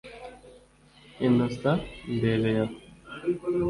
Innocent Ndebeyaho